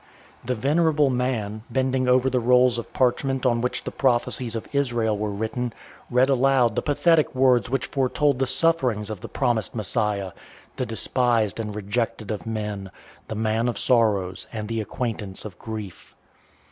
The venerable man, bending over the rolls of parchment on which the prophecies of Israel were written, read aloud the pathetic words which foretold the sufferings of the promised Messiah the despised and rejected of men, the man of sorrows and the acquaintance of grief.